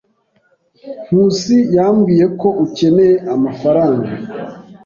Nkusi yambwiye ko ukeneye amafaranga.